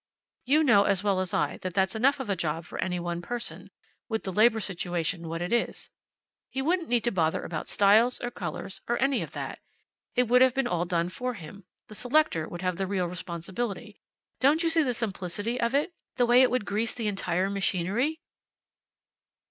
You know as well as I that that's enough of a job for any one person, with the labor situation what it is. He wouldn't need to bother about styles or colors, or any of that. It would all have been done for him. The selector would have the real responsibility. Don't you see the simplicity of it, and the way it would grease the entire machinery?"